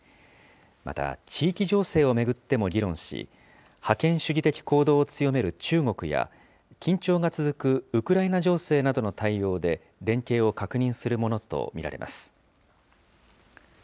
また、地域情勢を巡っても議論し、覇権主義的行動を強める中国や、緊張が続くウクライナ情勢などの対応で、連携を確認するものと見られます。